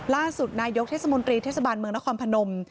ล่าสุดนายกเทศมนตรีเทศบาลเมืองนครพนม